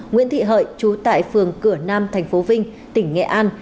nguyễn thị hợi chú tại phường cửa nam tp vinh tỉnh nghệ an